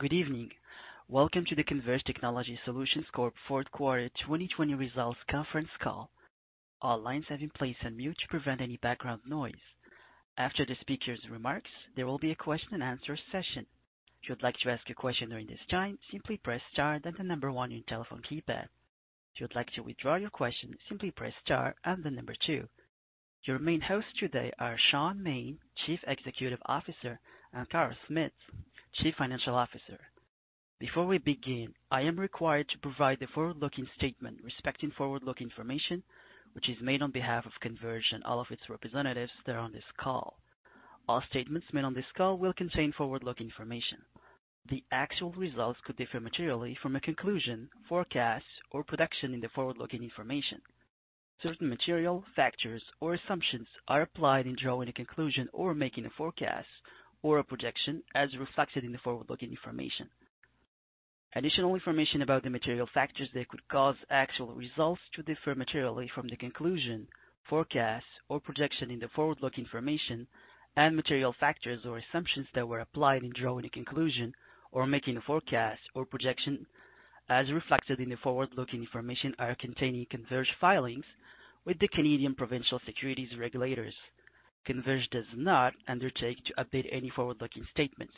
Good evening. Welcome to the Converge Technology Solutions Corp Q4 2020 results conference call. Our lines have been put in mute to prevent any background noise. After the speaker's remarks, there will be a question and answer session. If you would like to ask a question during this time simply press star then the number one on your telephone keypad. If you would like to withdraw your questions simply press star and the number two. Your main hosts today are Shaun Maine, Chief Executive Officer, and Carl Smith, Chief Financial Officer. Before we begin, I am required to provide the forward-looking statement respecting forward-looking information, which is made on behalf of Converge and all of its representatives that are on this call. All statements made on this call will contain forward-looking information. The actual results could differ materially from a conclusion, forecast, or production in the forward-looking information. Certain material factors or assumptions are applied in drawing a conclusion or making a forecast or a projection as reflected in the forward-looking information. Additional information about the material factors that could cause actual results to differ materially from the conclusion, forecast, or projection in the forward-looking information and material factors or assumptions that were applied in drawing a conclusion or making a forecast or projection as reflected in the forward-looking information are contained in Converge filings with the Canadian provincial securities regulators. Converge does not undertake to update any forward-looking statements.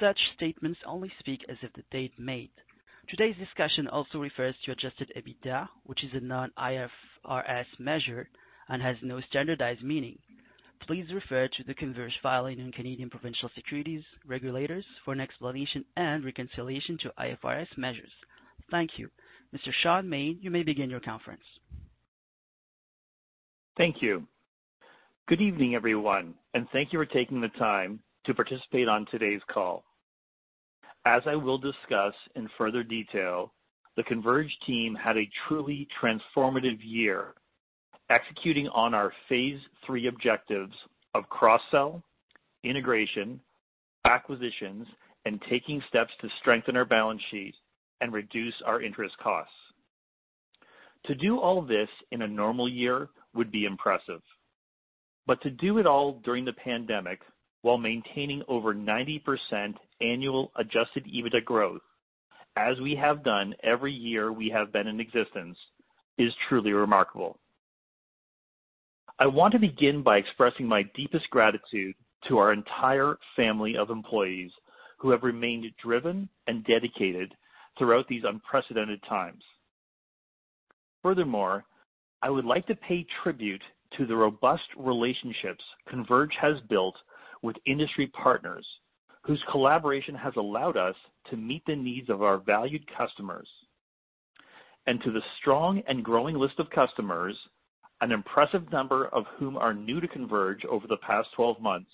Such statements only speak as of the date made. Today's discussion also refers to adjusted EBITDA, which is a non-IFRS measure and has no standardized meaning. Please refer to the Converge filing on Canadian provincial securities regulators for an explanation and reconciliation to IFRS measures. Thank you. Mr. Shaun Maine, you may begin your conference. Thank you. Good evening, everyone, and thank you for taking the time to participate on today's call. As I will discuss in further detail, the Converge team had a truly transformative year executing on our phase III objectives of cross-sell, integration, acquisitions, and taking steps to strengthen our balance sheet and reduce our interest costs. To do all this in a normal year would be impressive, but to do it all during the pandemic while maintaining over 90% annual adjusted EBITDA growth, as we have done every year we have been in existence, is truly remarkable. I want to begin by expressing my deepest gratitude to our entire family of employees who have remained driven and dedicated throughout these unprecedented times. Furthermore, I would like to pay tribute to the robust relationships Converge has built with industry partners, whose collaboration has allowed us to meet the needs of our valued customers. To the strong and growing list of customers, an impressive number of whom are new to Converge over the past 12 months,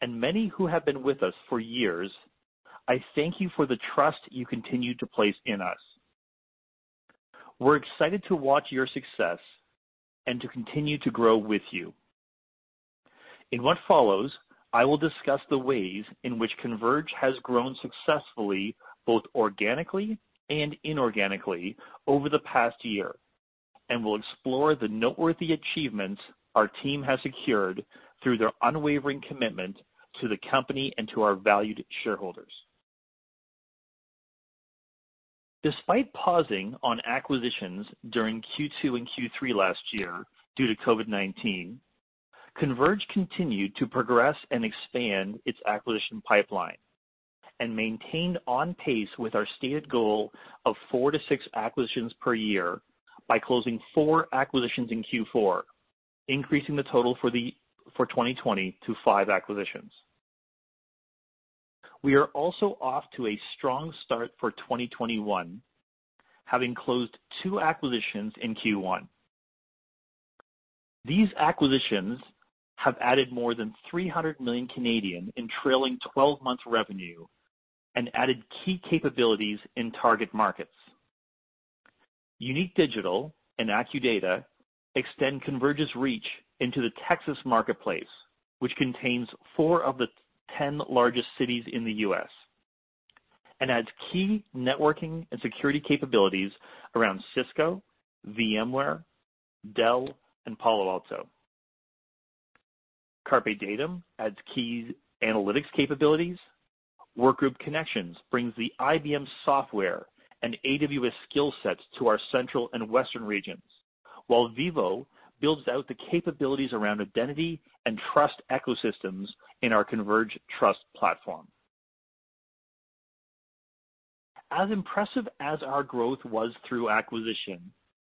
and many who have been with us for years, I thank you for the trust you continue to place in us. We're excited to watch your success and to continue to grow with you. In what follows, I will discuss the ways in which Converge has grown successfully, both organically and inorganically over the past year, and will explore the noteworthy achievements our team has secured through their unwavering commitment to the company and to our valued shareholders. Despite pausing on acquisitions during Q2 and Q3 last year due to COVID-19, Converge continued to progress and expand its acquisition pipeline and maintained on pace with our stated goal of four to six acquisitions per year by closing four acquisitions in Q4, increasing the total for 2020 to five acquisitions. We are also off to a strong start for 2021, having closed two acquisitions in Q1. These acquisitions have added more than 300 million in trailing 12 months revenue and added key capabilities in target markets. Unique Digital and Accudata extend Converge's reach into the Texas marketplace, which contains four of the 10 largest cities in the U.S., and adds key networking and security capabilities around Cisco, VMware, Dell, and Palo Alto. CarpeDatum adds key analytics capabilities. Workgroup Connections brings the IBM software and AWS skill sets to our central and western regions, while Vicom builds out the capabilities around identity and trust ecosystems in our Converge Trust platform. As impressive as our growth was through acquisition,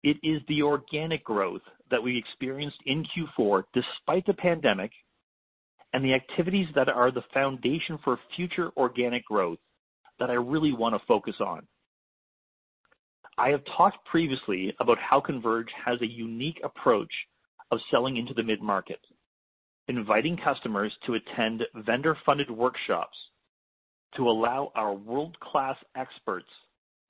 it is the organic growth that we experienced in Q4, despite the pandemic, and the activities that are the foundation for future organic growth that I really want to focus on. I have talked previously about how Converge has a unique approach of selling into the mid-market, inviting customers to attend vendor-funded workshops to allow our world-class experts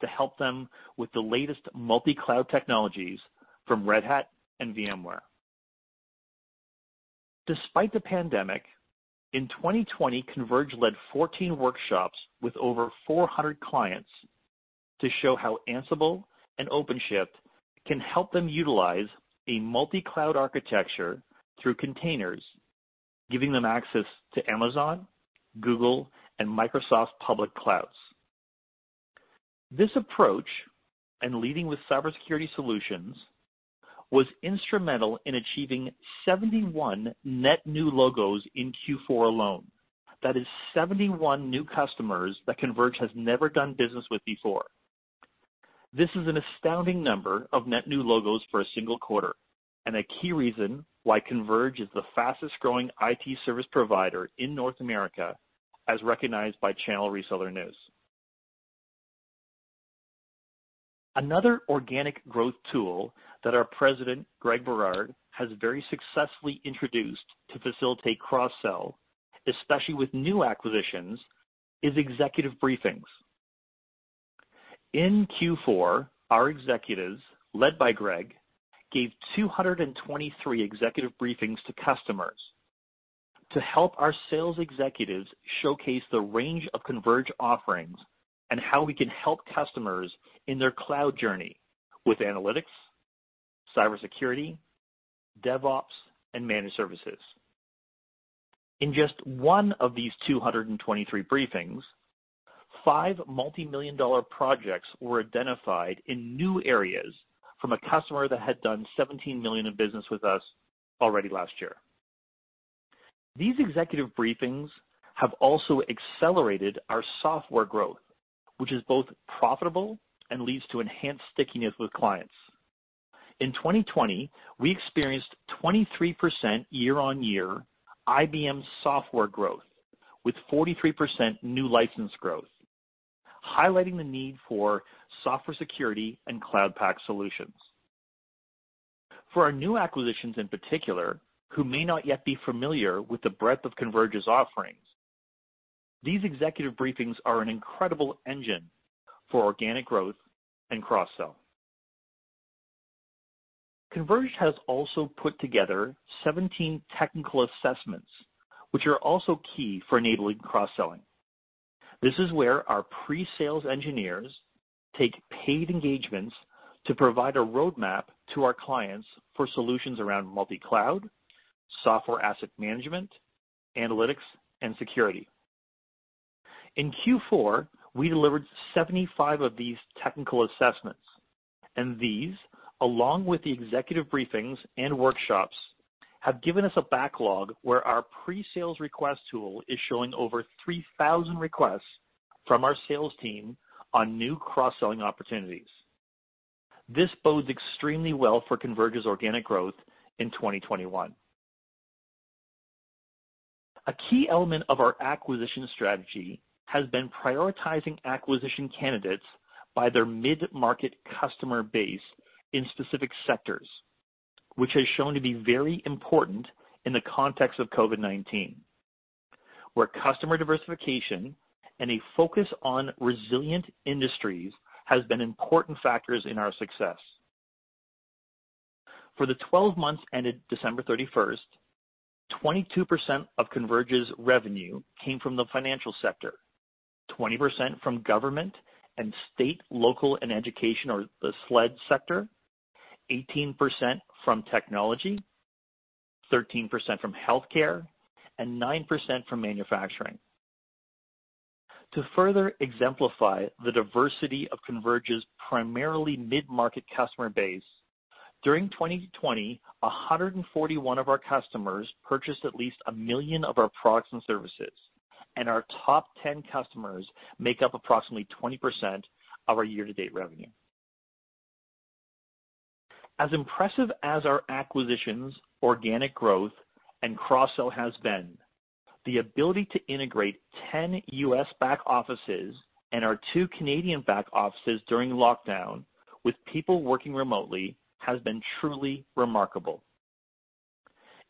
to help them with the latest multi-cloud technologies from Red Hat and VMware. Despite the pandemic, in 2020, Converge led 14 workshops with over 400 clients to show how Ansible and OpenShift can help them utilize a multi-cloud architecture through containers, giving them access to Amazon, Google, and Microsoft public clouds. This approach, and leading with cybersecurity solutions, was instrumental in achieving 71 net new logos in Q4 alone. That is 71 new customers that Converge has never done business with before. This is an astounding number of net new logos for a single quarter, and a key reason why Converge is the fastest-growing IT service provider in North America, as recognized by Channel Reseller News. Another organic growth tool that our president, Greg Berard, has very successfully introduced to facilitate cross-sell, especially with new acquisitions, is executive briefings. In Q4, our executives, led by Greg, gave 223 executive briefings to customers to help our sales executives showcase the range of Converge offerings and how we can help customers in their cloud journey with analytics, cybersecurity, DevOps, and managed services. In just one of these 223 briefings, five multimillion-dollar projects were identified in new areas from a customer that had done 17 million in business with us already last year. These executive briefings have also accelerated our software growth, which is both profitable and leads to enhanced stickiness with clients. In 2020, we experienced 23% year-on-year IBM software growth, with 43% new license growth, highlighting the need for software security and Cloud Pak solutions. For our new acquisitions in particular, who may not yet be familiar with the breadth of Converge's offerings, these executive briefings are an incredible engine for organic growth and cross-sell. Converge has also put together 17 technical assessments, which are also key for enabling cross-selling. This is where our pre-sales engineers take paid engagements to provide a roadmap to our clients for solutions around multi-cloud, software asset management, analytics, and security. In Q4, we delivered 75 of these technical assessments, and these, along with the executive briefings and workshops, have given us a backlog where our pre-sales request tool is showing over 3,000 requests from our sales team on new cross-selling opportunities. This bodes extremely well for Converge's organic growth in 2021. A key element of our acquisition strategy has been prioritizing acquisition candidates by their mid-market customer base in specific sectors, which has shown to be very important in the context of COVID-19, where customer diversification and a focus on resilient industries has been important factors in our success. For the 12 months ended December 31st, 22% of Converge's revenue came from the financial sector, 20% from government and state, local, and education, or the SLED sector, 18% from technology, 13% from healthcare, and 9% from manufacturing. To further exemplify the diversity of Converge's primarily mid-market customer base, during 2020, 141 of our customers purchased at least a million of our products and services, and our top 10 customers make up approximately 20% of our year-to-date revenue. As impressive as our acquisitions, organic growth, and cross-sell has been, the ability to integrate 10 U.S. back offices and our two Canadian back offices during lockdown with people working remotely has been truly remarkable.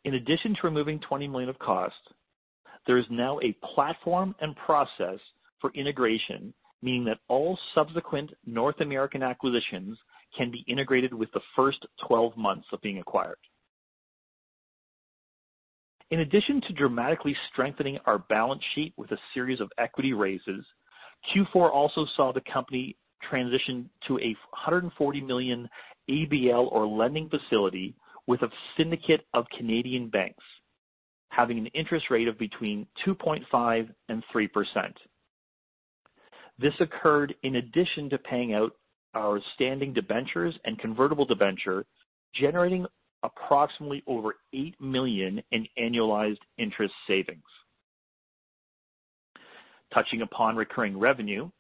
In addition to removing 20 million of costs, there is now a platform and process for integration, meaning that all subsequent North American acquisitions can be integrated with the first 12 months of being acquired. In addition to dramatically strengthening our balance sheet with a series of equity raises, Q4 also saw the company transition to a 140 million ABL, or lending facility, with a syndicate of Canadian banks, having an interest rate of between 2.5% and 3%. This occurred in addition to paying out our standing debentures and convertible debenture, generating approximately over 8 million in annualized interest savings. Touching upon recurring revenue,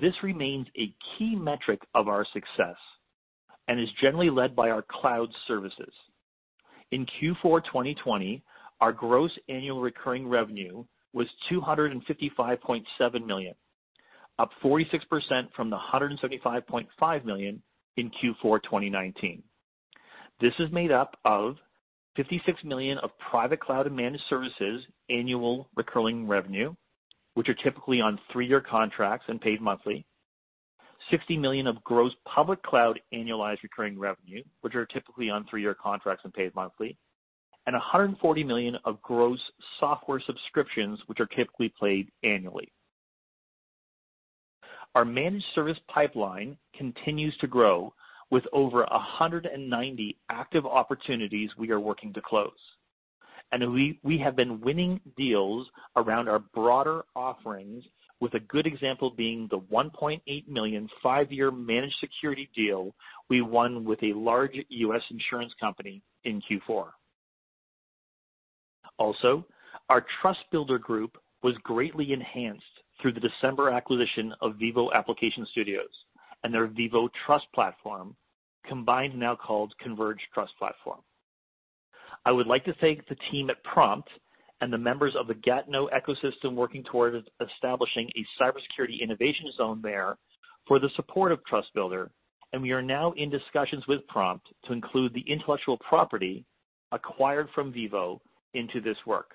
this remains a key metric of our success and is generally led by our cloud services. In Q4 2020, our gross annual recurring revenue was 255.7 million, up 46% from the 175.5 million in Q4 2019. This is made up of 56 million of private cloud and managed services annual recurring revenue, which are typically on three-year contracts and paid monthly. 60 million of gross public cloud annualized recurring revenue, which are typically on three-year contracts and paid monthly. 140 million of gross software subscriptions, which are typically paid annually. Our managed service pipeline continues to grow with over 190 active opportunities we are working to close. We have been winning deals around our broader offerings with a good example being the 1.8 million, five-year managed security deal we won with a large U.S. insurance company in Q4. Also, our TrustBuilder group was greatly enhanced through the December acquisition of Vivvo Application Studios and their Vivvo Trust Platform, combined now called Converge Trust Platform. I would like to thank the team at Prompt and the members of the Gatineau ecosystem working towards establishing a cybersecurity innovation zone there for the support of TrustBuilder, and we are now in discussions with Prompt to include the intellectual property acquired from Vivvo into this work.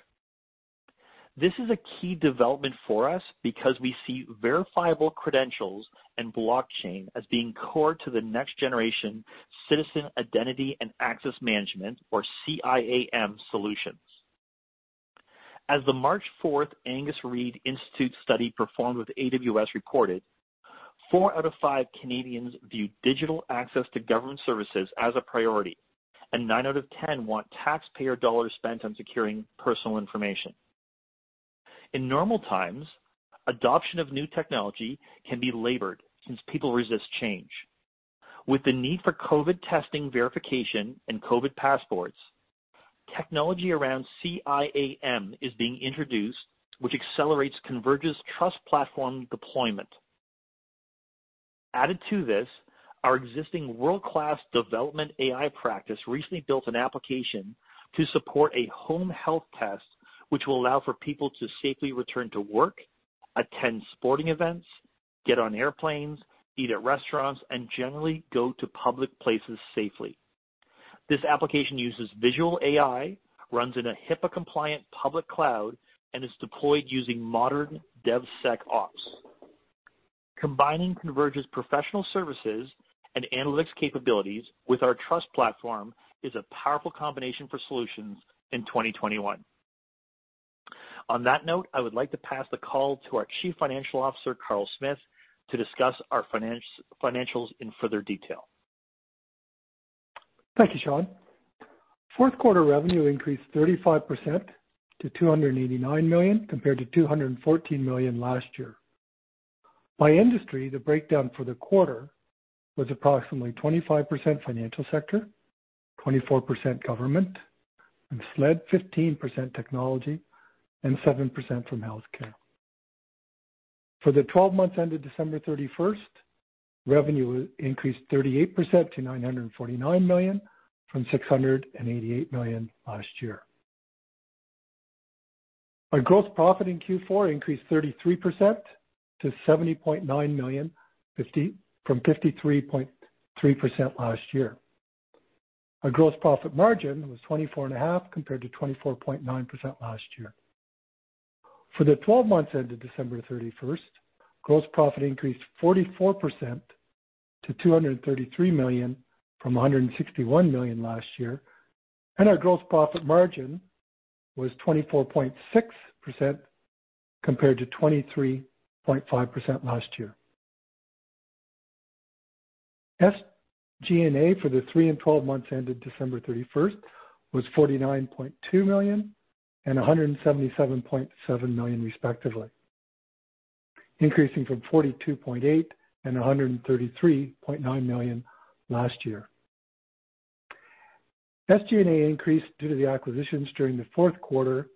This is a key development for us because we see verifiable credentials and blockchain as being core to the next generation citizen identity and access management, or CIAM solutions. As the March 4th Angus Reid Institute study performed with AWS recorded, four out of five Canadians view digital access to government services as a priority, and nine out of 10 want taxpayer dollars spent on securing personal information. In normal times, adoption of new technology can be labored since people resist change. With the need for COVID testing verification and COVID passports, technology around CIAM is being introduced, which accelerates Converge's TrustBuilder Platform deployment. Added to this, our existing world-class development AI practice recently built an application to support a home health test, which will allow for people to safely return to work, attend sporting events, get on airplanes, eat at restaurants, and generally go to public places safely. This application uses visual AI, runs in a HIPAA-compliant public cloud, and is deployed using modern DevSecOps. Combining Converge's professional services and analytics capabilities with our TrustBuilder Platform is a powerful combination for solutions in 2021. On that note, I would like to pass the call to our Chief Financial Officer, Carl Smith, to discuss our financials in further detail. Thank you, Shaun. Q4 revenue increased 35% to 289 million compared to 214 million last year. By industry, the breakdown for the quarter was approximately 25% financial sector, 24% government, and SLED 15% technology, and 7% from healthcare. For the 12 months ended December 31st, revenue increased 38% to 949 million from 688 million last year. Our gross profit in Q4 increased 33% to 70.9 million from 53.3 million last year. Our gross profit margin was 24.5% compared to 24.9% last year. For the 12 months ended December 31st, gross profit increased 44% to 233 million from 161 million last year, and our gross profit margin was 24.6% compared to 23.5% last year. SG&A for the three and 12 months ended December 31st was 49.2 million and 177.7 million respectively, increasing from 42.8 million and 133.9 million last year. SG&A increased due to the acquisitions during the fourth quarter,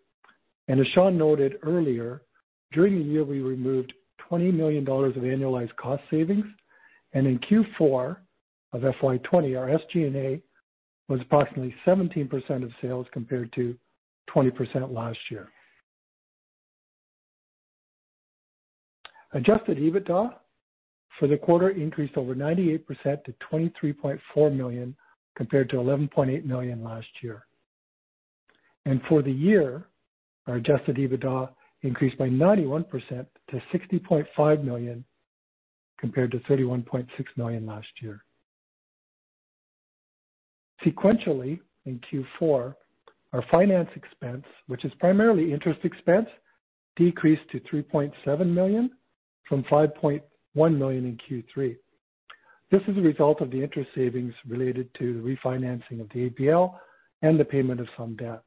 and as Shaun noted earlier, during the year, we removed 20 million dollars of annualized cost savings, and in Q4 of FY 2020, our SG&A was approximately 17% of sales compared to 20% last year. Adjusted EBITDA for the quarter increased over 98% to 23.4 million compared to 11.8 million last year. For the year, our Adjusted EBITDA increased by 91% to 60.5 million, compared to 31.6 million last year. Sequentially in Q4, our finance expense, which is primarily interest expense, decreased to 3.7 million from 5.1 million in Q3. This is a result of the interest savings related to the refinancing of the ABL and the payment of some debt.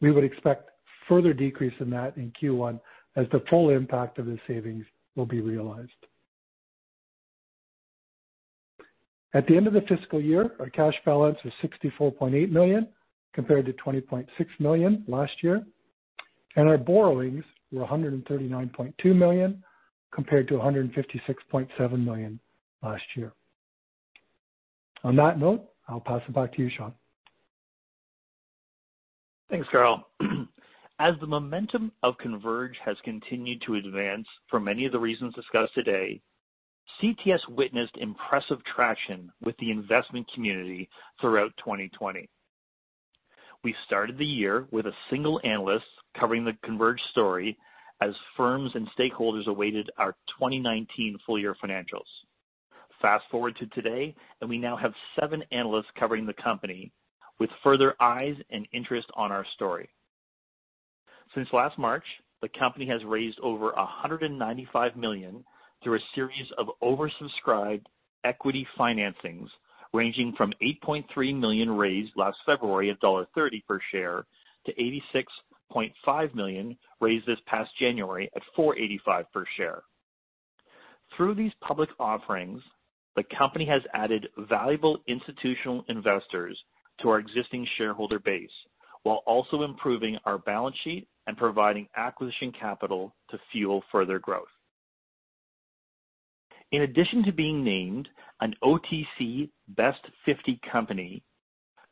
We would expect further decrease in that in Q1 as the full impact of the savings will be realized. At the end of the fiscal year, our cash balance was 64.8 million, compared to 20.6 million last year, and our borrowings were 139.2 million, compared to 156.7 million last year. On that note, I'll pass it back to you, Shaun. Thanks, Carl. As the momentum of Converge has continued to advance for many of the reasons discussed today, CTS witnessed impressive traction with the investment community throughout 2020. We started the year with a single analyst covering the Converge story as firms and stakeholders awaited our 2019 full year financials. Fast forward to today, and we now have seven analysts covering the company with further eyes and interest in our story. Since last March, the company has raised over 195 million through a series of oversubscribed equity financings ranging from 8.3 million raised last February at dollar 1.30 per share to 86.5 million raised this past January at 4.85 per share. Through these public offerings, the company has added valuable institutional investors to our existing shareholder base while also improving our balance sheet and providing acquisition capital to fuel further growth. In addition to being named an OTCQX Best 50 company,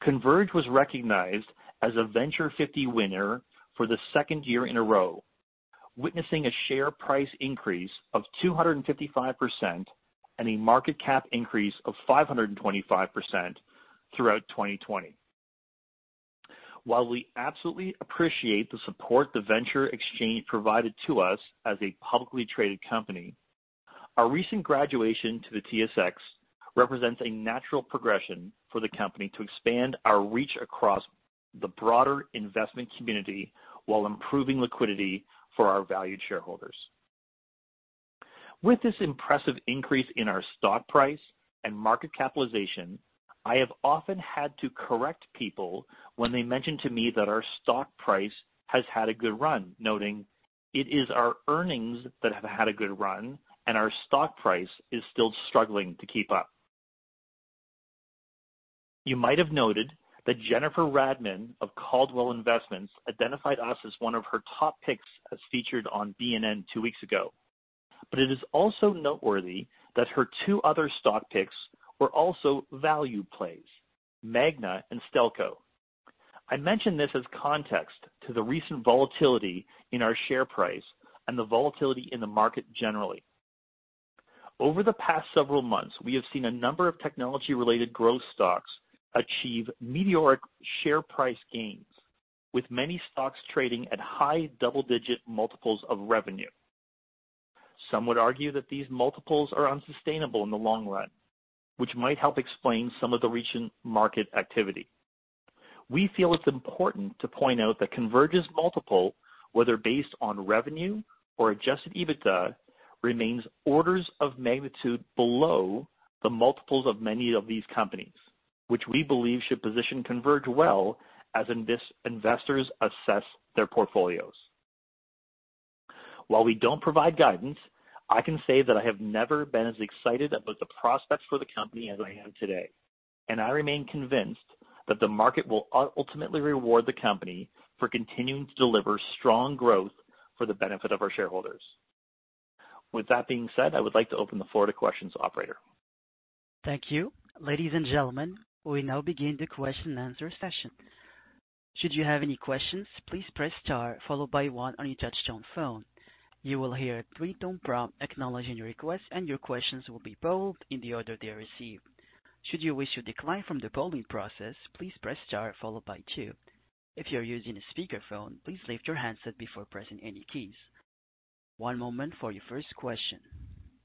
Converge was recognized as a Venture 50 winner for the second year in a row, witnessing a share price increase of 255% and a market cap increase of 525% throughout 2020. While we absolutely appreciate the support the Venture Exchange provided to us as a publicly traded company, our recent graduation to the TSX represents a natural progression for the company to expand our reach across the broader investment community while improving liquidity for our valued shareholders. With this impressive increase in our stock price and market capitalization, I have often had to correct people when they mention to me that our stock price has had a good run, noting it is our earnings that have had a good run, and our stock price is still struggling to keep up. You might have noted that Jennifer Radman of Caldwell Investments identified us as one of her top picks, as featured on BNN two weeks ago. But it is also noteworthy that her two other stock picks were also value plays, Magna and Stelco. I mention this as context to the recent volatility in our share price and the volatility in the market generally. Over the past several months, we have seen a number of technology-related growth stocks achieve meteoric share price gains, with many stocks trading at high double-digit multiples of revenue. Some would argue that these multiples are unsustainable in the long run, which might help explain some of the recent market activity. We feel it's important to point out that Converge's multiple, whether based on revenue or adjusted EBITDA, remains orders of magnitude below the multiples of many of these companies, which we believe should position Converge well as investors assess their portfolios. While we don't provide guidance, I can say that I have never been as excited about the prospects for the company as I am today. I remain convinced that the market will ultimately reward the company for continuing to deliver strong growth for the benefit of our shareholders. With that being said, I would like to open the floor to questions, operator. Thank you. Ladies and gentlemen, we now begin the questions and answers session. Should you have any questions, please press star followed by one on your touchtone phone. You will hear three tone prompts acknowledging your request and your question will be considered in the order they are received. Should you wish to decline from the polling process please press star followed by two. If you are using a speaker phone, please set your handset before pressing any keys. One moment for the first question. Thank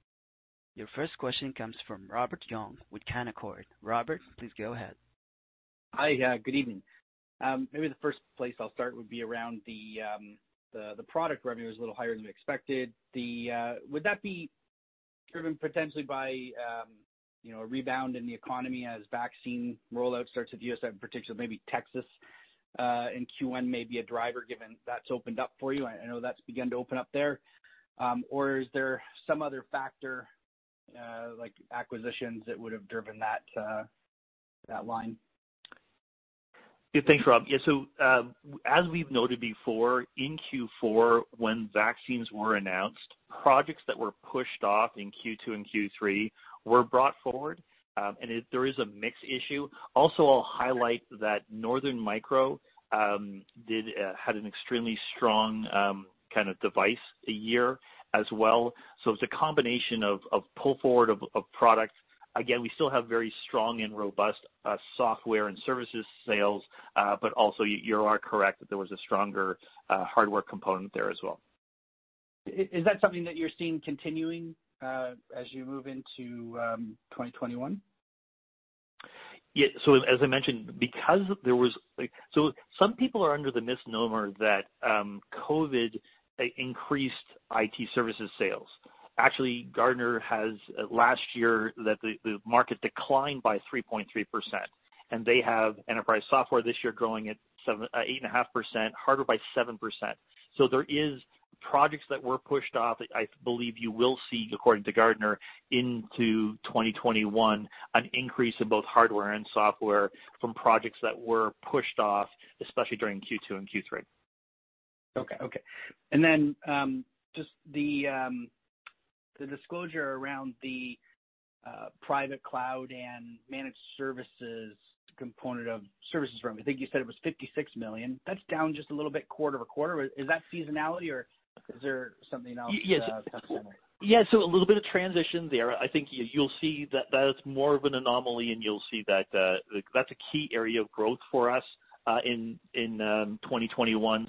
you. Your first question comes from Robert Young with Canaccord. Robert, please go ahead. Hi. Good evening. Maybe the first place I'll start would be around the product revenue is a little higher than we expected. Would that be driven potentially by a rebound in the economy as vaccine rollout starts at U.S.A. in particular, maybe Texas, in Q1 may be a driver given that's opened up for you? I know that's begun to open up there. Is there some other factor, like acquisitions, that would have driven that line? Thanks, Rob. As we've noted before, in Q4 when vaccines were announced, projects that were pushed off in Q2 and Q3 were brought forward, and there is a mix issue. I'll highlight that Northern Micro had an extremely strong kind of device year as well. It's a combination of pull forward of product. Again, we still have very strong and robust software and services sales. You are correct that there was a stronger hardware component there as well. Is that something that you're seeing continuing as you move into 2021? Some people are under the misnomer that COVID increased IT services sales. Actually, Gartner has last year that the market declined by 3.3%, and they have enterprise software this year growing at 8.5%, hardware by 7%. There is projects that were pushed off that I believe you will see, according to Gartner, into 2021, an increase in both hardware and software from projects that were pushed off, especially during Q2 and Q3. Okay. Then just the disclosure around the private cloud and managed services component of services revenue. I think you said it was 56 million. That's down just a little bit quarter-over-quarter. Is that seasonality, or is there something else that's happening? Yeah. A little bit of transition there. I think you'll see that that's more of an anomaly, and you'll see that that's a key area of growth for us in 2021.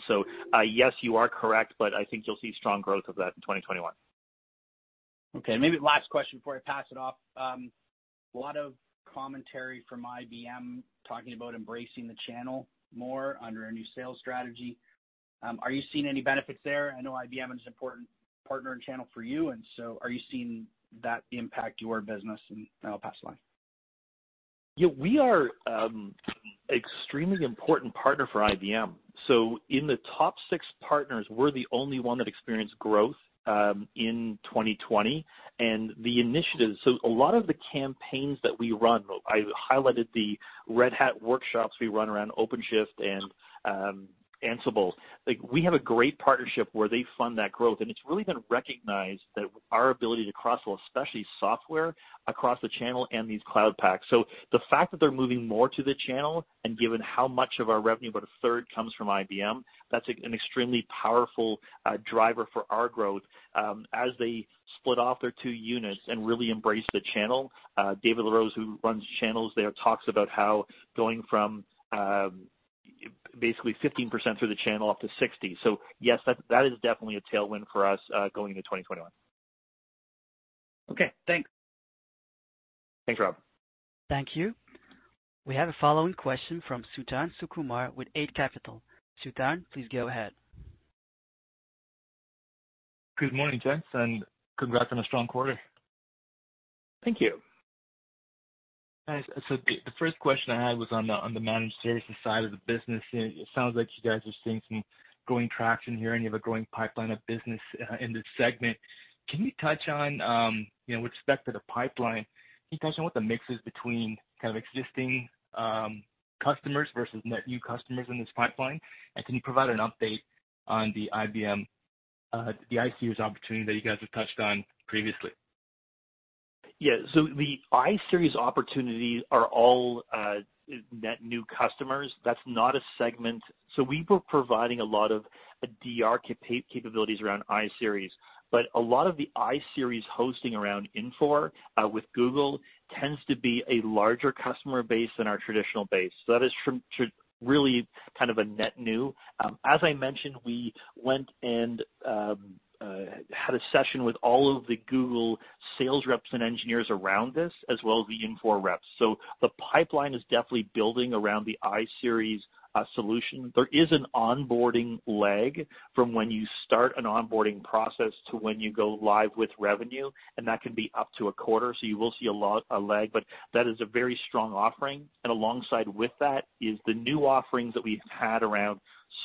Yes, you are correct, but I think you'll see strong growth of that in 2021. Okay, maybe last question before I pass it off. A lot of commentary from IBM talking about embracing the channel more under a new sales strategy. Are you seeing any benefits there? I know IBM is an important partner and channel for you, and so are you seeing that impact your business? I'll pass it on. We are extremely important partner for IBM. In the top six partners, we're the only one that experienced growth in 2020. The initiatives, a lot of the campaigns that we run, I highlighted the Red Hat workshops we run around OpenShift and Ansible. We have a great partnership where they fund that growth, and it's really been recognized that our ability to cross, well, especially software across the channel and these Cloud Paks. The fact that they're moving more to the channel and given how much of our revenue, about a third comes from IBM, that's an extremely powerful driver for our growth. As they split off their two units and really embrace the channel. David LaRose, who runs channels there, talks about how going from basically 15% through the channel up to 60%. Yes, that is definitely a tailwind for us going into 2021. Okay, thanks. Thanks, Rob. Thank you. We have a following question from Suthan Sukumar with Eight Capital. Suthan, please go ahead. Good morning, gents, and congrats on a strong quarter. Thank you. Guys, the first question I had was on the managed services side of the business. It sounds like you guys are seeing some growing traction here, and you have a growing pipeline of business in this segment. With respect to the pipeline, can you touch on what the mix is between kind of existing customers versus net new customers in this pipeline, and can you provide an update on the IBM, the iSeries opportunity that you guys have touched on previously? Yeah. The iSeries opportunities are all net new customers. That's not a segment. We were providing a lot of DR capabilities around iSeries, but a lot of the iSeries hosting around Infor with Google tends to be a larger customer base than our traditional base. That is really kind of a net new. As I mentioned, we went and had a session with all of the Google sales reps and engineers around this, as well as the Infor reps. The pipeline is definitely building around the iSeries solution. There is an onboarding lag from when you start an onboarding process to when you go live with revenue, and that can be up to a quarter. You will see a lag, but that is a very strong offering. Alongside with that is the new offerings that we've had around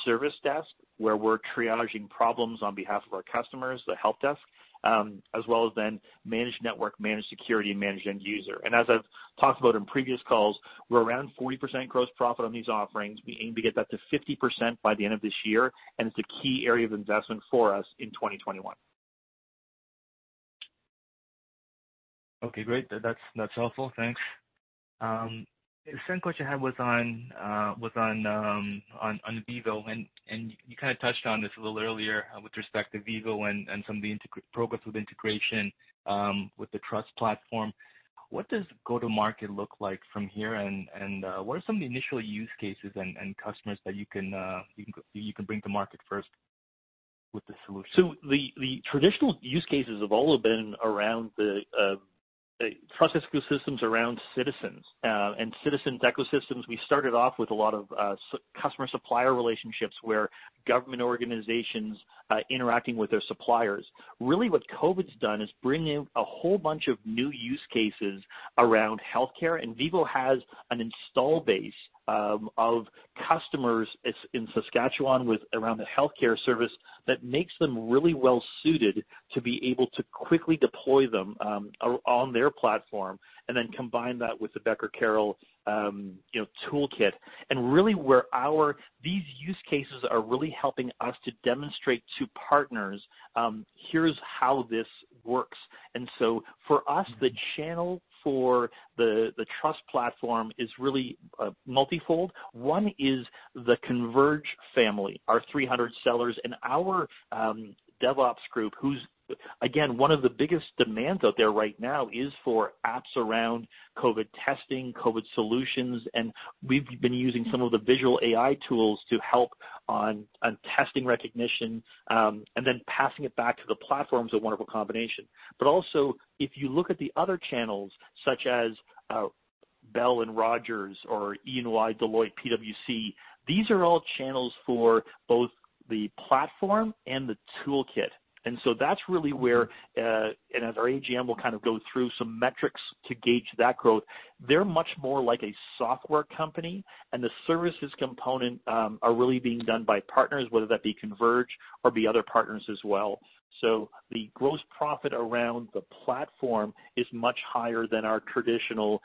service desk, where we're triaging problems on behalf of our customers, the help desk, as well as then managed network, managed security, and managed end user. As I've talked about in previous calls, we're around 40% gross profit on these offerings. We aim to get that to 50% by the end of this year, and it's a key area of investment for us in 2021. Okay, great. That's helpful. Thanks. The second question I had was on Vivvo. You kind of touched on this a little earlier with respect to Vivvo and some of the progress with integration with the Vivvo Trust Platform. What does go to market look like from here, and what are some of the initial use cases and customers that you can bring to market first with the solution? The traditional use cases have all been around the trust ecosystems around citizens. Citizens ecosystems, we started off with a lot of customer-supplier relationships where government organizations interacting with their suppliers. Really what COVID's done is bring in a whole bunch of new use cases around healthcare, and Vivvo has an install base of customers in Saskatchewan around the healthcare service that makes them really well-suited to be able to quickly deploy them on their platform and then combine that with the Becker-Carroll toolkit. Really, these use cases are really helping us to demonstrate to partners, here's how this works. For us, the channel for the trust platform is really multifold. One is the Converge family, our 300 sellers, and our DevOps group, who's, again, one of the biggest demands out there right now is for apps around COVID testing, COVID solutions, and we've been using some of the visual AI tools to help on testing recognition, and then passing it back to the platform is a wonderful combination. Also, if you look at the other channels such as Bell and Rogers or EY, Deloitte, PwC, these are all channels for both the platform and the toolkit. As our AGM, we'll kind of go through some metrics to gauge that growth. They're much more like a software company, and the services component are really being done by partners, whether that be Converge or be other partners as well. The gross profit around the platform is much higher than our traditional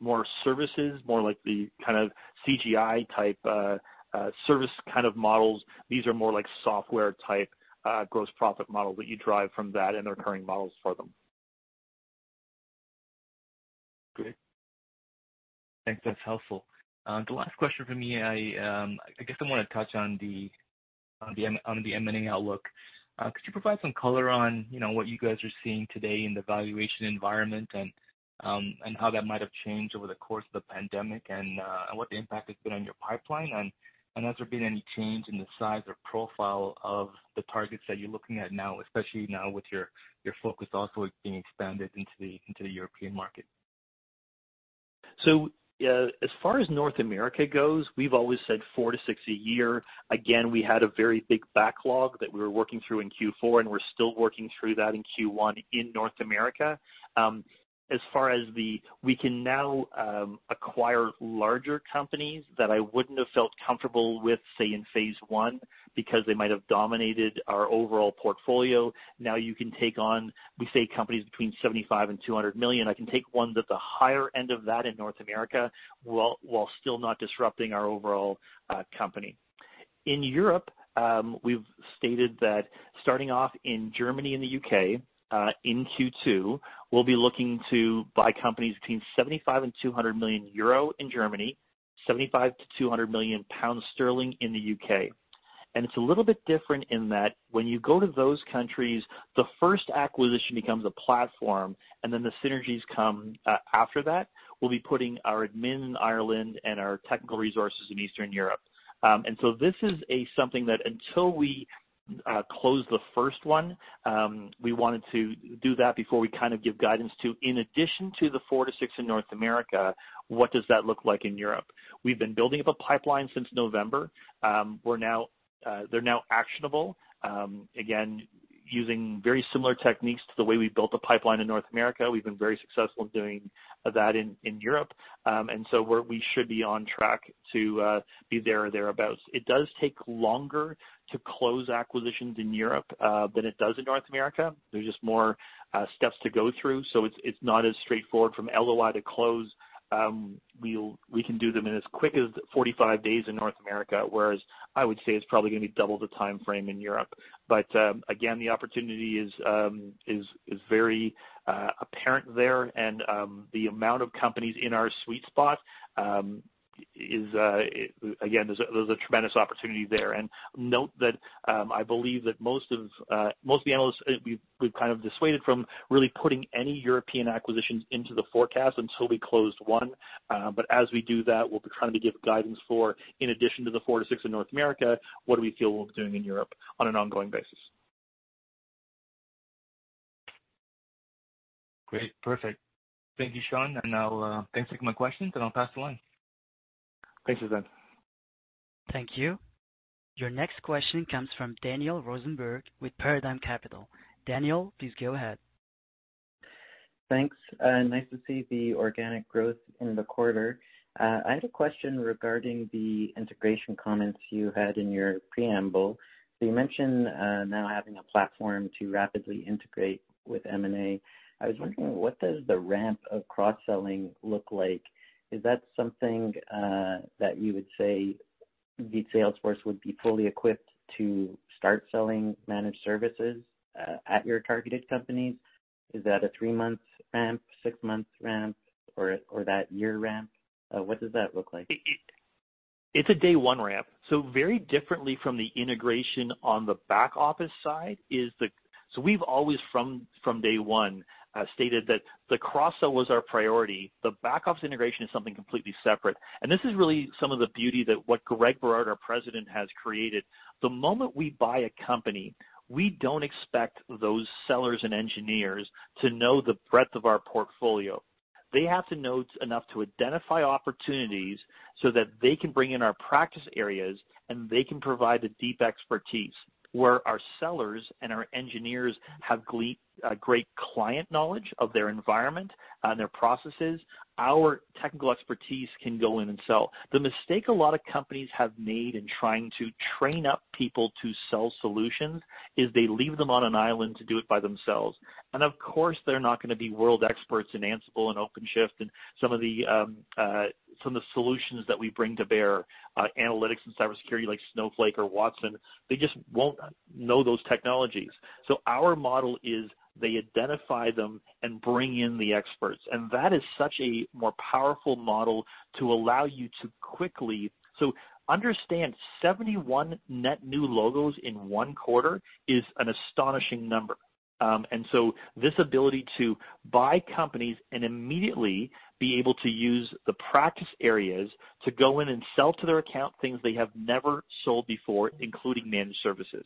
more services, more like the kind of CGI-type service kind of models. These are more like software-type gross profit models that you drive from that and the recurring models for them. Great. Thanks. That's helpful. The last question from me, I guess I want to touch on the M&A outlook. Could you provide some color on what you guys are seeing today in the valuation environment and how that might have changed over the course of the pandemic, and what the impact has been on your pipeline? Has there been any change in the size or profile of the targets that you're looking at now, especially now with your focus also being expanded into the European market? As far as North America goes, we've always said four to six a year. Again, we had a very big backlog that we were working through in Q4, and we're still working through that in Q1 in North America. We can now acquire larger companies that I wouldn't have felt comfortable with, say, in phase one, because they might have dominated our overall portfolio. You can take on, we say companies between 75 million and 200 million. I can take ones at the higher end of that in North America, while still not disrupting our overall company. In Europe, we've stated that starting off in Germany and the UK, in Q2, we'll be looking to buy companies between 75 million and 200 million euro in Germany, 75 million to 200 million pounds in the UK. It's a little bit different in that when you go to those countries, the first acquisition becomes a platform, then the synergies come after that. We'll be putting our admin in Ireland and our technical resources in Eastern Europe. This is something that until we close the first one, we wanted to do that before we kind of give guidance to, in addition to the four to six in North America, what does that look like in Europe? We've been building up a pipeline since November. They're now actionable. Again, using very similar techniques to the way we've built a pipeline in North America. We've been very successful in doing that in Europe. We should be on track to be there or thereabout. It does take longer to close acquisitions in Europe than it does in North America. There's just more steps to go through, so it's not as straightforward from LOI to close. We can do them in as quick as 45 days in North America, whereas I would say it's probably going to be double the timeframe in Europe. Again, the opportunity is very apparent there. The amount of companies in our sweet spot is, again, there's a tremendous opportunity there. Note that I believe that most of the analysts we've kind of dissuaded from really putting any European acquisitions into the forecast until we closed one. As we do that, we'll be trying to give guidance for, in addition to the four to six in North America, what do we feel we'll be doing in Europe on an ongoing basis. Great. Perfect. Thank you, Shaun. Thanks for my questions, and I'll pass the line. Thanks, Suthan. Thank you. Your next question comes from Daniel Rosenberg with Paradigm Capital. Daniel, please go ahead. Thanks. Nice to see the organic growth in the quarter. I had a question regarding the integration comments you had in your preamble. You mentioned now having a platform to rapidly integrate with M&A. I was wondering, what does the ramp of cross-selling look like? Is that something that you would say the sales force would be fully equipped to start selling managed services at your targeted companies? Is that a three-month ramp, six-month ramp, or that year ramp? What does that look like? It's a day one ramp. Very differently from the integration on the back office side, we've always, from day one, stated that the cross-sell was our priority. The back office integration is something completely separate. This is really some of the beauty that what Greg Berard, our President, has created. The moment we buy a company, we don't expect those sellers and engineers to know the breadth of our portfolio. They have to know enough to identify opportunities so that they can bring in our practice areas, and they can provide the deep expertise. Where our sellers and our engineers have great client knowledge of their environment and their processes, our technical expertise can go in and sell. The mistake a lot of companies have made in trying to train up people to sell solutions is they leave them on an island to do it by themselves. Of course, they're not going to be world experts in Ansible and OpenShift and some of the solutions that we bring to bear, analytics and cybersecurity like Snowflake or Watson. They just won't know those technologies. Our model is they identify them and bring in the experts. That is such a more powerful model to allow you to understand 71 net new logos in one quarter is an astonishing number. This ability to buy companies and immediately be able to use the practice areas to go in and sell to their account things they have never sold before, including managed services.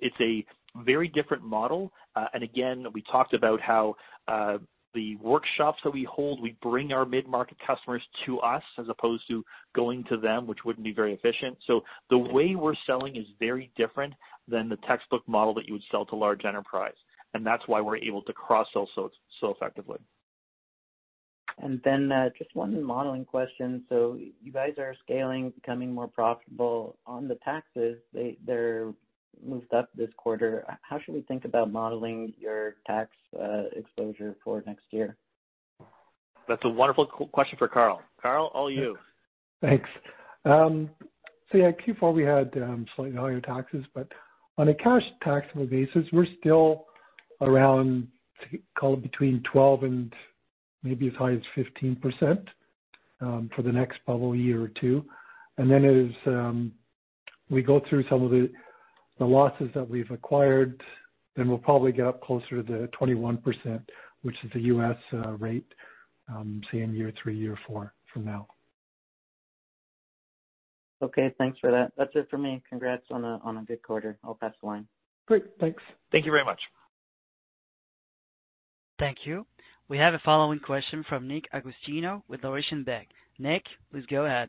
It's a very different model. Again, we talked about how the workshops that we hold, we bring our mid-market customers to us as opposed to going to them, which wouldn't be very efficient. The way we're selling is very different than the textbook model that you would sell to large enterprise, and that's why we're able to cross-sell so effectively. Just one modeling question. You guys are scaling, becoming more profitable. On the taxes, they moved up this quarter. How should we think about modeling your tax exposure for next year? That's a wonderful question for Carl. Carl, all you. Thanks. Yeah, Q4, we had slightly higher taxes, but on a cash taxable basis, we're still around, call it between 12% and maybe as high as 15%, for the next probably year or two. As we go through some of the losses that we've acquired, then we'll probably get up closer to the 21%, which is the U.S. rate, say in year three, year four from now. Okay, thanks for that. That's it for me. Congrats on a good quarter. I'll pass the line. Great, thanks. Thank you very much. Thank you. We have a following question from Nick Agostino with Laurentian Bank. Nick, please go ahead.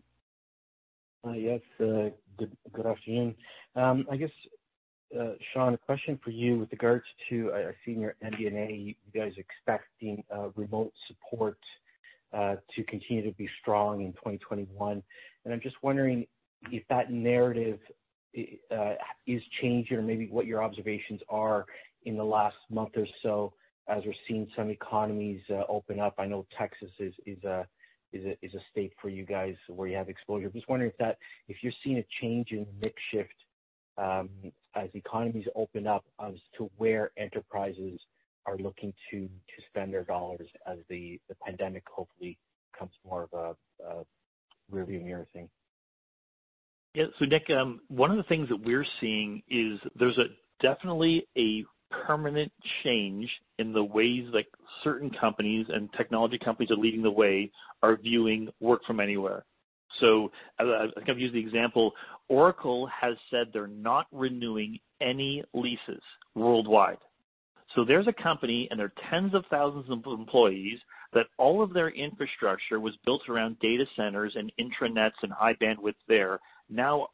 Yes. Good afternoon. I guess, Shaun, a question for you with regards to, I've seen your MD&A, you guys expecting remote support to continue to be strong in 2021, and I'm just wondering if that narrative is changing or maybe what your observations are in the last month or so as we're seeing some economies open up. I know Texas is a state for you guys where you have exposure. I'm just wondering if you're seeing a change in mix shift as economies open up as to where enterprises are looking to spend their dollars as the pandemic hopefully becomes more of a rear view mirror thing. Yeah. Nick, one of the things that we're seeing is there's definitely a permanent change in the ways that certain companies, and technology companies are leading the way, are viewing work from anywhere. I kind of use the example, Oracle has said they're not renewing any leases worldwide. There's a company, and there are tens of thousands of employees, that all of their infrastructure was built around data centers and intranets and high bandwidth there. Now,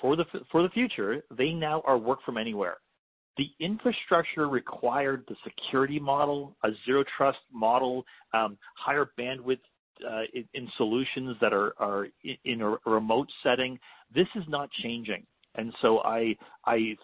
for the future, they now are work from anywhere. The infrastructure required, the security model, a zero trust model, higher bandwidth in solutions that are in a remote setting, this is not changing. I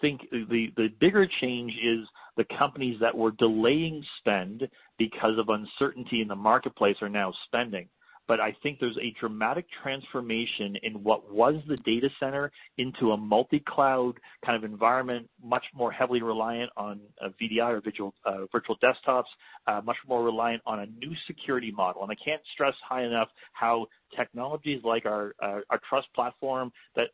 think the bigger change is the companies that were delaying spend because of uncertainty in the marketplace are now spending. I think there's a dramatic transformation in what was the data center into a multi-cloud kind of environment, much more heavily reliant on VDI or virtual desktops, much more reliant on a new security model. I can't stress high enough how technologies like our trust platform, that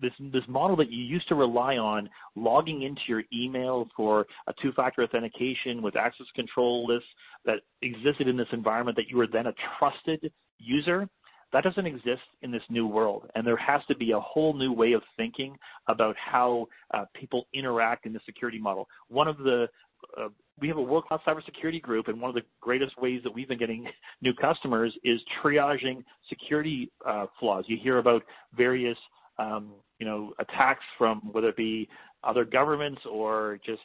this model that you used to rely on, logging into your email for a two-factor authentication with access control lists that existed in this environment, that you were then a trusted user, that doesn't exist in this new world. There has to be a whole new way of thinking about how people interact in the security model. We have a world-class cybersecurity group, and one of the greatest ways that we've been getting new customers is triaging security flaws. You hear about various attacks from whether it be other governments or just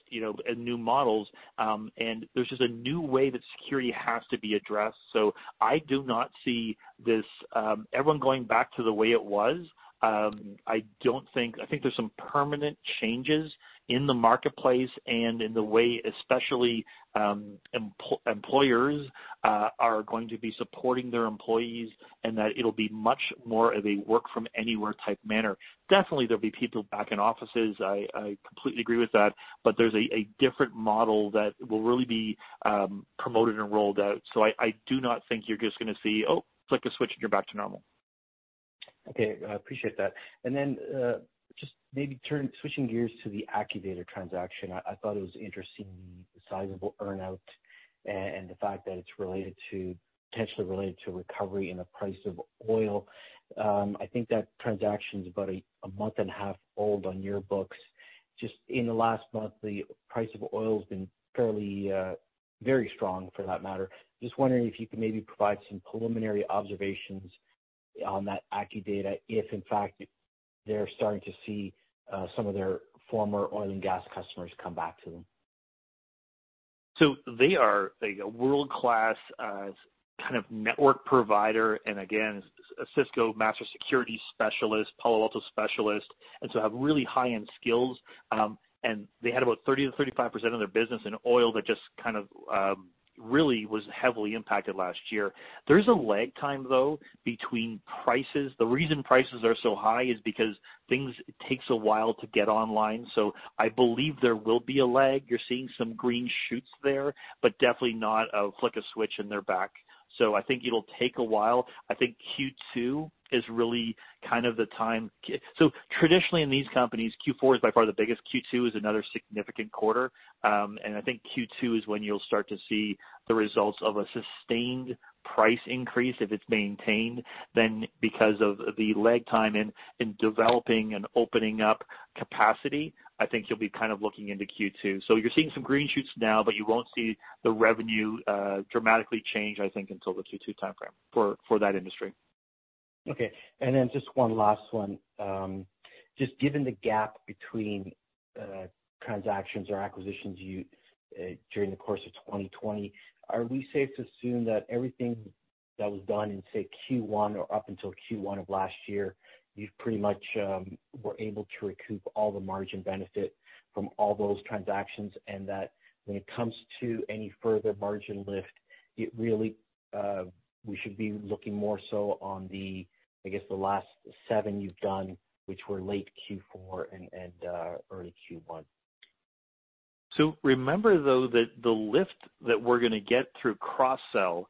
new models. There's just a new way that security has to be addressed. I do not see everyone going back to the way it was. I think there's some permanent changes in the marketplace and in the way, especially employers are going to be supporting their employees, and that it'll be much more of a work from anywhere type manner. Definitely, there'll be people back in offices, I completely agree with that. There's a different model that will really be promoted and rolled out. I do not think you're just going to see, oh, flick a switch and you're back to normal. Okay. I appreciate that. Just maybe switching gears to the Accudata transaction. I thought it was interesting, the sizable earn-out and the fact that it's potentially related to recovery in the price of oil. I think that transaction's about a month and a half old on your books. Just in the last month, the price of oil has been fairly, very strong for that matter. Just wondering if you could maybe provide some preliminary observations on that Accudata, if in fact they're starting to see some of their former oil and gas customers come back to them. They are a world-class kind of network provider. Again, a Cisco master security specialist, Palo Alto specialist, and so have really high-end skills. They had about 30%-35% of their business in oil that just kind of really was heavily impacted last year. There is a lag time, though, between prices. The reason prices are so high is because things takes a while to get online. I believe there will be a lag. You're seeing some green shoots there, but definitely not a flick of switch and they're back. I think it'll take a while. I think Q2 is really kind of the time. Traditionally in these companies, Q4 is by far the biggest. Q2 is another significant quarter. I think Q2 is when you'll start to see the results of a sustained price increase if it's maintained, then because of the lag time in developing and opening up capacity, I think you'll be kind of looking into Q2. You're seeing some green shoots now, but you won't see the revenue dramatically change, I think, until the Q2 timeframe for that industry. Okay. Just one last one. Just given the gap between transactions or acquisitions during the course of 2020, are we safe to assume that everything that was done in, say, Q1 or up until Q1 of last year, you've pretty much were able to recoup all the margin benefit from all those transactions, and that when it comes to any further margin lift, we should be looking more so on the, I guess, the last seven you've done, which were late Q4 and early Q1? Remember though, that the lift that we're going to get through cross-sell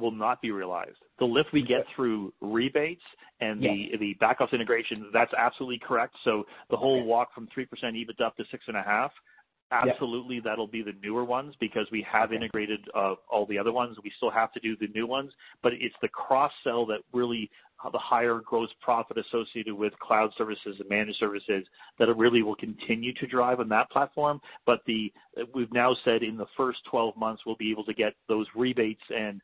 will not be realized. The lift we get through rebates and the back-office integration, that's absolutely correct. The whole walk from 3% EBITDA up to 6.5%, absolutely that'll be the newer ones because we have integrated all the other ones. We still have to do the new ones. It's the cross-sell that really, the higher gross profit associated with cloud services and managed services, that really will continue to drive on that platform. We've now said in the first 12 months, we'll be able to get those rebates and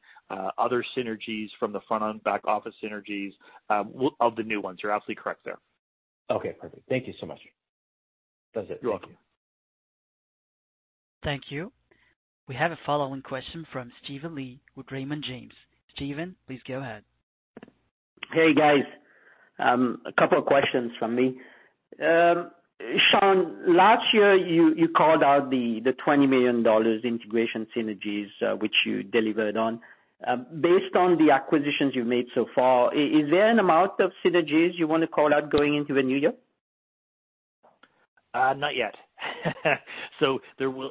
other synergies from the front and back office synergies of the new ones. You're absolutely correct there. Okay, perfect. Thank you so much. That's it. You're welcome. Thank you. We have a follow-on question from Steven Li with Raymond James. Steven, please go ahead. Hey, guys. A couple of questions from me. Shaun, last year you called out the 20 million dollars integration synergies, which you delivered on. Based on the acquisitions you've made so far, is there an amount of synergies you want to call out going into the new year? Not yet.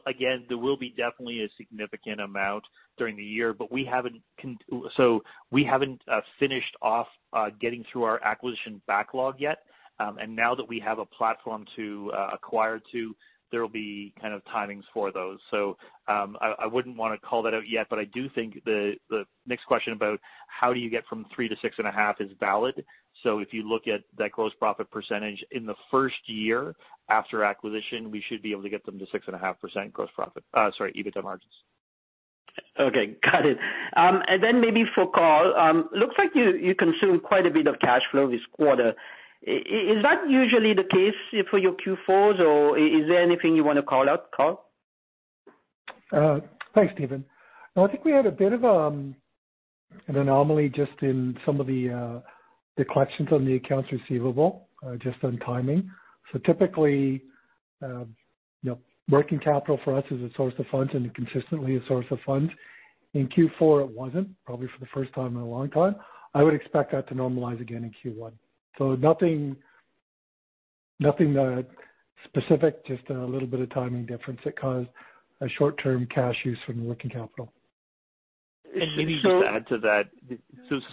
Again, there will be definitely a significant amount during the year. We haven't finished off getting through our acquisition backlog yet, and now that we have a platform to acquire to, there'll be kind of timings for those. I wouldn't want to call that out yet, but I do think the next question about how do you get from 3%-6.5% is valid. If you look at that gross profit percentage in the first year after acquisition, we should be able to get them to 6.5% EBITDA margins. Okay, got it. Then maybe for Carl, looks like you consume quite a bit of cash flow this quarter. Is that usually the case for your Q4s, or is there anything you want to call out, Carl? Thanks, Steven. I think we had a bit of an anomaly just in some of the collections on the accounts receivable, just on timing. Typically, working capital for us is a source of funds and consistently a source of funds. In Q4 it wasn't, probably for the first time in a long time. I would expect that to normalize again in Q1. Nothing specific, just a little bit of timing difference that caused a short-term cash use from the working capital. Maybe just to add to that.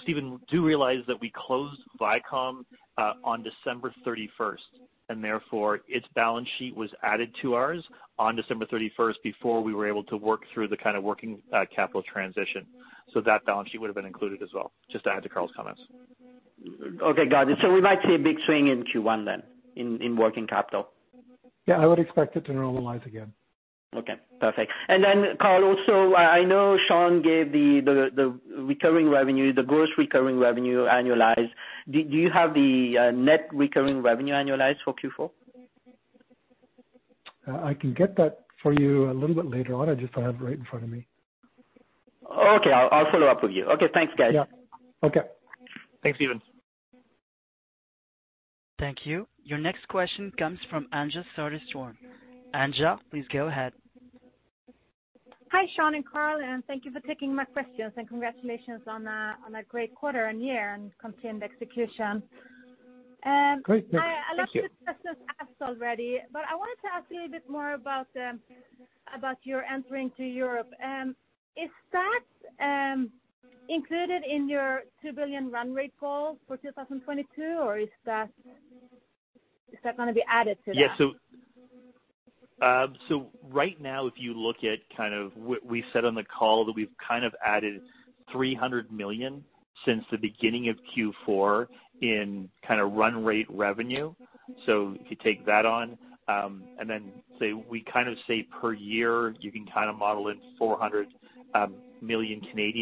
Steven, do realize that we closed Vivvo on December 31st, and therefore its balance sheet was added to ours on December 31st, before we were able to work through the kind of working capital transition. That balance sheet would've been included as well, just to add to Carl's comments. Okay, got it. We might see a big swing in Q1 then, in working capital. Yeah, I would expect it to normalize again. Okay, perfect. Carl also, I know Shaun gave the recurring revenue, the gross recurring revenue annualized. Do you have the net recurring revenue annualized for Q4? I can get that for you a little bit later on. I just don't have it right in front of me. Okay, I'll follow up with you. Okay, thanks, guys. Yeah. Okay. Thanks, Steven. Thank you. Your next question comes from Anja Soderstrom. Anja, please go ahead. Hi, Shaun and Carl, and thank you for taking my questions and congratulations on a great quarter and year and continued execution. Great. Thank you. A lot of these questions asked already, but I wanted to ask a little bit more about your entering to Europe. Is that included in your 2 billion run rate goal for 2022, or is that going to be added to that? Yeah. Right now, if you look at kind of what we said on the call, that we've kind of added 300 million since the beginning of Q4 in kind of run rate revenue. If you take that on, and then say, we kind of say per year, you can kind of model in 400 million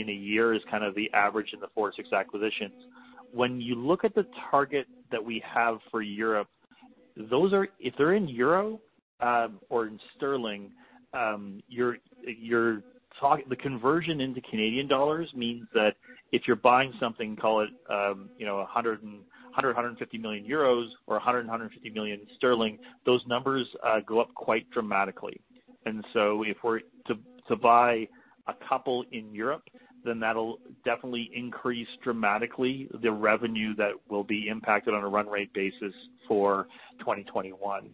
a year is kind of the average in the four to six acquisitions. When you look at the target that we have for Europe, if they're in euro or in sterling, the conversion into Canadian dollars means that if you're buying something, call it 100 million-150 million euros or 100 million-150 million sterling, those numbers go up quite dramatically. If we're to buy a couple in Europe, then that'll definitely increase dramatically the revenue that will be impacted on a run rate basis for 2021.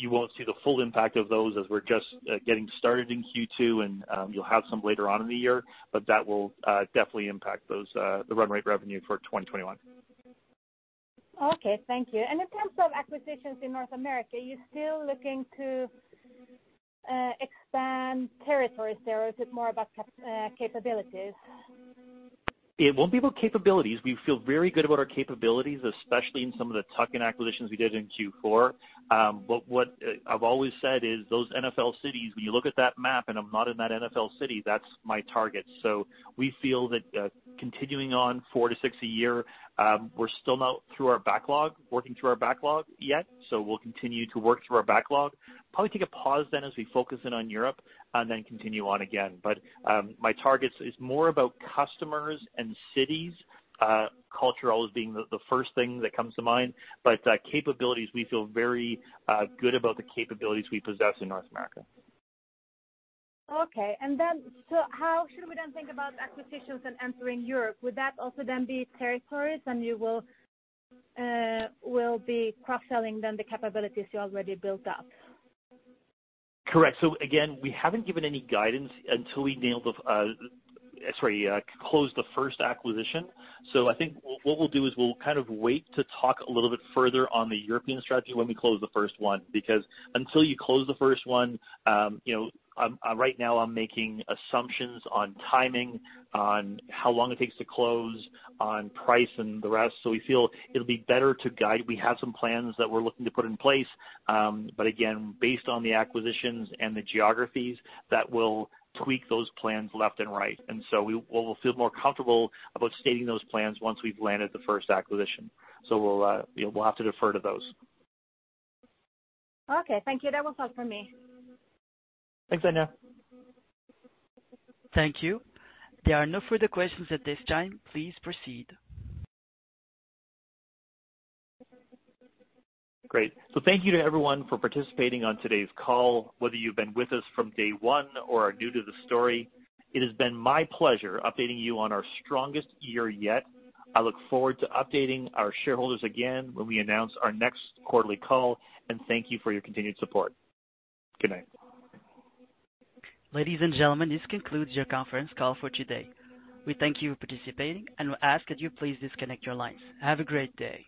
You won't see the full impact of those as we're just getting started in Q2 and you'll have some later on in the year. That will definitely impact the run rate revenue for 2021. Okay, thank you. In terms of acquisitions in North America, are you still looking to expand territories there, or is it more about capabilities? It won't be about capabilities. We feel very good about our capabilities, especially in some of the tuck-in acquisitions we did in Q4. What I've always said is those NFL cities, when you look at that map and I'm not in that NFL city, that's my target. We feel that continuing on four to six a year, we're still not through our backlog, working through our backlog yet, so we'll continue to work through our backlog. Probably take a pause then as we focus in on Europe, and then continue on again. My target is more about customers and cities, cultural as being the first thing that comes to mind. Capabilities, we feel very good about the capabilities we possess in North America. Okay. How should we then think about acquisitions and entering Europe? Would that also then be territories and you will be cross-selling then the capabilities you already built up? Correct. Again, we haven't given any guidance until we close the first acquisition. I think what we'll do is we'll kind of wait to talk a little bit further on the European strategy when we close the first one, because until you close the first one, right now I'm making assumptions on timing, on how long it takes to close, on price and the rest. We feel it'll be better to guide. We have some plans that we're looking to put in place. Again, based on the acquisitions and the geographies, that we'll tweak those plans left and right. We'll feel more comfortable about stating those plans once we've landed the first acquisition. We'll have to defer to those. Okay, thank you. That was all for me. Thanks, Anja. Thank you. There are no further questions at this time. Please proceed. Great. Thank you to everyone for participating on today's call. Whether you've been with us from day one or are new to the story, it has been my pleasure updating you on our strongest year yet. I look forward to updating our shareholders again when we announce our next quarterly call, and thank you for your continued support. Good day. Ladies and gentlemen, this concludes your conference call for today. We thank you for participating and we ask that you please disconnect your lines. Have a great day.